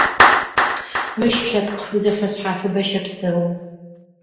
Мыщ лъэпкъ зэфэшъхьафыбэ щэпсэу.